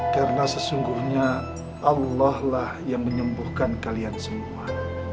karena sesungguhnya allah lah yang menyembuhkan kalian semua